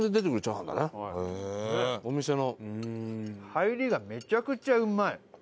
入りがめちゃくちゃうまい。